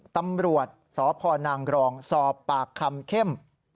ตำรวจสพนางกรองสอบปากคำเข้ม